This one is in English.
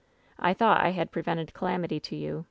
I thought I had prevented calamity to you.